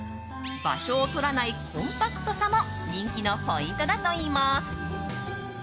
場所をとらないコンパクトさも人気のポイントだといいます。